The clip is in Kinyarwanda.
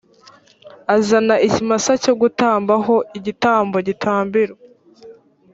azana ikimasa cyo gutamba ho igitambo gitambirwa